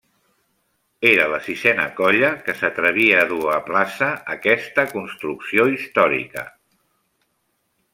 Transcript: Era la sisena colla que s'atrevia a dur a plaça aquesta construcció històrica.